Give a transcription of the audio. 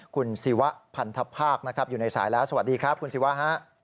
คุณศิวะพันธภาคนะครับอยู่ในสายแล้วสวัสดีครับคุณศิวะฮะ